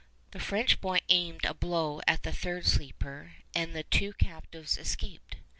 The French boy aimed a blow at the third sleeper, and the two captives escaped.